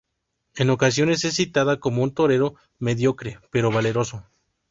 En ocasiones es citado como un torero mediocre, pero valeroso.